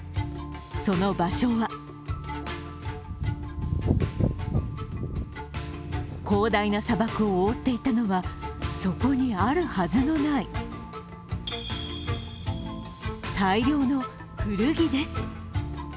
その場所は広大な砂漠を覆っているのはそこにあるはずのない大量の古着です。